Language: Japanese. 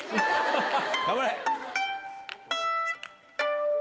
頑張れ！